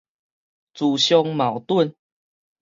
自相矛盾